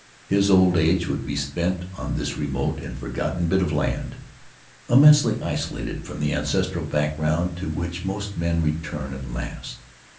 His old age would be spent on this remote and forgotten At the House of Tari bit of land, immensely isolated from the ancestral background to which most men return at last.